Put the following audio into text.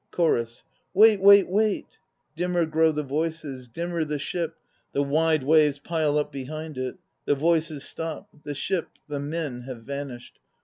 .. CHORUS. "Wait, wait, wait!" Dimmer grow the voices; dimmer the ship, the wide waves Pile up behind it. The voices stop. The ship, the men Have vanished.